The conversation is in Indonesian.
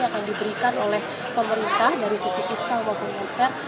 akan diberikan oleh pemerintah dari sisi fiskal maupun inter